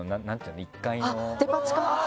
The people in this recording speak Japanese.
デパ地下？